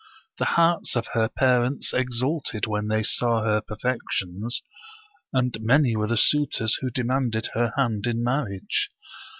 The hearts of her parents exulted when they saw her perfections, and many were the suitors who demanded her hand in marriage.